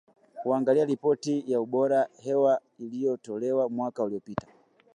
kulingana na ripoti ya ubora wa hewa iliyotolewa mwaka uliopita